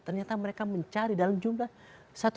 ternyata mereka mencari dalam tim itkpu